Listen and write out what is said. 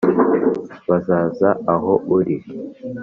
bazaza aho uri